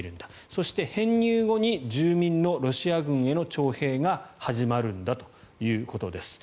そして、編入後に住民のロシア軍への徴兵が始まるんだということです。